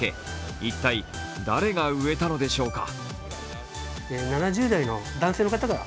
一体誰が植えたのでしょうか？